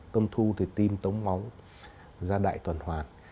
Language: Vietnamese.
tâm thu thì tim tống máu ra đại tuần hoạt